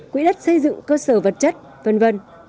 quỹ đất xây dựng cơ sở vật chất v v